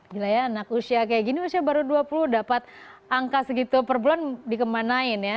gila ya anak usia kayak gini usia baru dua puluh dapat angka segitu per bulan dikemanain ya